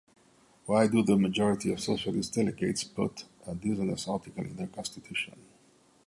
Why do the majority of Socialist delegates put a dishonest article in their constitution?